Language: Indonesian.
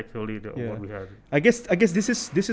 itu sebenarnya yang kami lakukan